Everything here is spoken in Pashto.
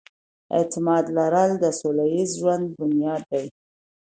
د اعتماد لرل د سوله ييز ژوند بنياد دی.